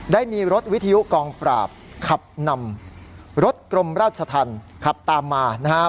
ได้มีรถวิทยุกองปราบขับนำรถกรมราชธรรมขับตามมานะครับ